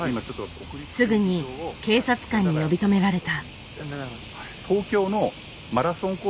すぐに警察官に呼び止められた。